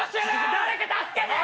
誰か助けてー！